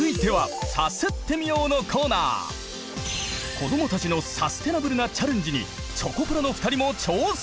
子どもたちのサステナブルなチャレンジにチョコプラの２人も挑戦！